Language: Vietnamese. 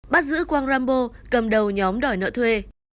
bắt giữ quang rambo cầm đầu nhóm đòi nợ thuê